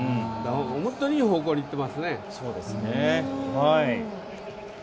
本当にいい方向に向かっていますね。